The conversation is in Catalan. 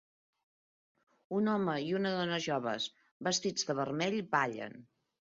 Un home i una dona joves vestits de vermell ballen.